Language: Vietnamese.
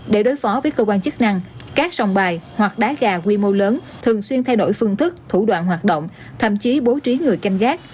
để đối phó với cơ quan chức năng các sòng bài hoặc đá gà quy mô lớn thường xuyên thay đổi phương thức thủ đoạn hoạt động thậm chí bố trí người canh gác